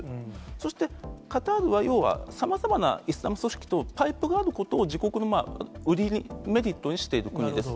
そしてカタールは、要はさまざまなイスラム組織とパイプがあることを自国の売りに、メリットにしている国です。